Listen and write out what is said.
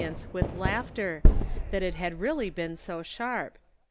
151 ence with laughter, that it had really been so sharp.